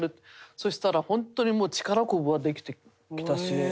そしたらホントに力こぶができてきたし。